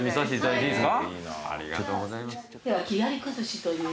ありがとうございます。